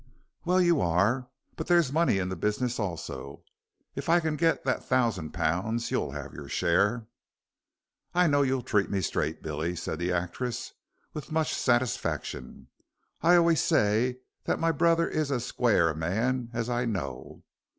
"Well, you are. But there's money in the business also. If I can get that thousand pounds, you'll have your share." "I know you'll treat me straight, Billy," said the actress, with much satisfaction. "I always say that my brother is as square a man as I know."